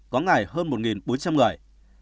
có ngày hơn một bốn trăm linh người